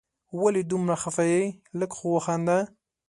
ولي دومره خفه یې ؟ لږ خو وخانده